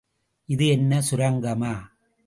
இது என்ன சுரங்கமா?